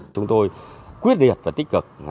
chúng tôi quyết liệt và tích cực